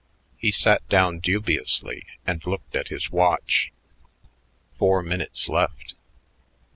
He sat down dubiously and looked at his watch. Four minutes left.